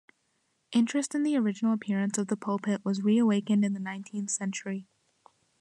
Interest in the original appearance of the pulpit was re-awakened in the nineteenth century.